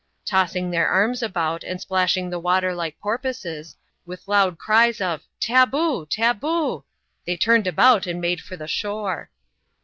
Tossing their arms about, and splashing the water like porpoises, with loud cries of " taboo ! taboo !" they turned about and made for the shore.